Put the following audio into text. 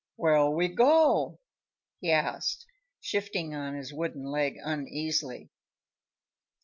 "Where'll we go?" he asked, shifting on his wooden leg uneasily.